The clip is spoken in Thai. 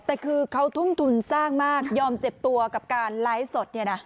แต่คือเขาทุ่มทุนสร้างมากยอมเจ็บตัวกับการไลฟ์สดเนี่ยนะ